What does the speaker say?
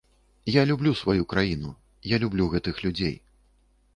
Я люблю сваю краіну, я люблю гэтых людзей.